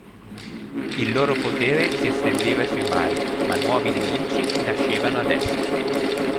Il loro potere si estendeva sui mari, ma nuovi nemici nascevano ad est.